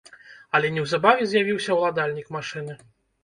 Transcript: Але неўзабаве з'явіўся ўладальнік машыны.